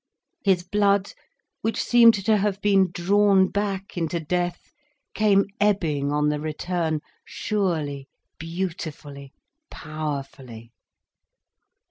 His blood, which seemed to have been drawn back into death, came ebbing on the return, surely, beautifully, powerfully.